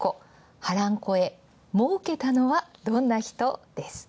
波乱超え、設けたのはどんな人です。